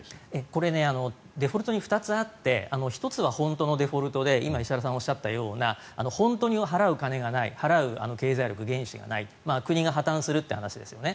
これデフォルトに２つあって１つは本当のデフォルトで今、石原さんがおっしゃったような本当に払う金がない払う経済力、原資がない国が破たんするって話ですよね。